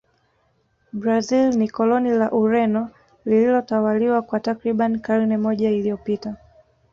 brazil ni koloni la ureno lililotawaliwa kwa takribani karne moja iliyopita